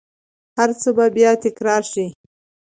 هرڅه به بیا تکرار شي